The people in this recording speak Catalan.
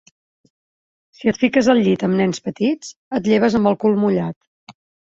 Si et fiques al llit amb nens petits, et lleves amb el cul mullat.